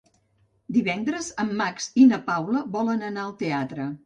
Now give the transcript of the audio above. Divendres en Max i na Paula volen anar al teatre.